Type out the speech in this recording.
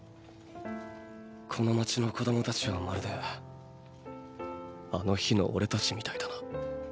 この街の子供たちはまるであの日のオレたちみたいだな。